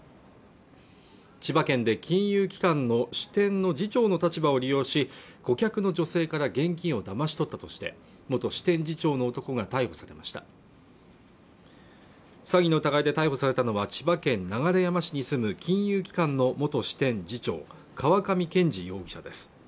千葉県で金融機関の支店の次長の立場を利用し顧客の女性から現金をだまし取ったとして元支店次長の男が逮捕されました詐欺の疑いで逮捕されたのは千葉県流山市に住む金融機関の本支店次長川上健二容疑者です